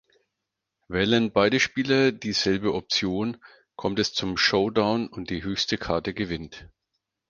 Wählen beide Spieler dieselbe Option, kommt es zum Showdown und die höchste Karte gewinnt.